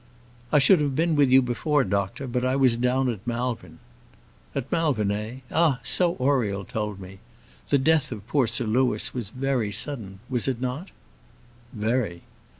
"I should have been with you before, doctor, but I was down at Malvern." "At Malvern, eh? Ah! so Oriel told me. The death of poor Sir Louis was very sudden was it not?" "Very."